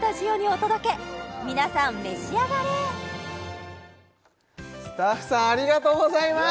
召し上がれスタッフさんありがとうございます